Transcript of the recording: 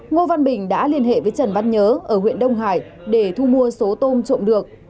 ngô văn bình đã liên hệ với trần văn nhớ ở huyện đông hải để thu mua số tôm trộm được